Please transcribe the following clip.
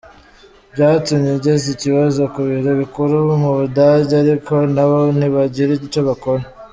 Byatumye ageza ikibazo ku biro bikuru mu Budage ariko na bo ntibagira icyo bakora.